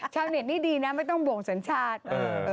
ชาวเน็ตนี่ดีนะไม่ต้องห่วงสัญชาติ